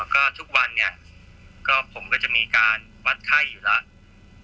ก็ทุกวันเนี่ยก็ผมก็จะมีการวัดไข้อยู่แล้ว